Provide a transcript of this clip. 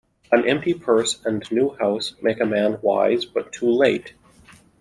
An empty purse, and a new house, make a man wise, but too late.